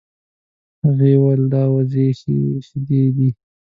هغې وویل دا د وزې شیدې دي.